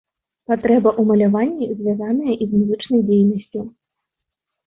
Патрэба ў маляванні звязаная і з музычнай дзейнасцю.